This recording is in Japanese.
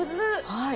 はい。